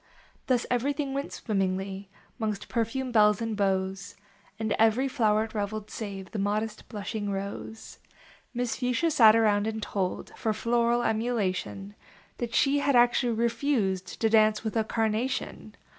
Thus everything went swimmingly Mongst perfumed belles and beaux, And ever} floweret reveled save The modest, blushing Rose. Miss Fuchsia sat around and told, For floral emulation, That she had actually refused To dance with A Carnation.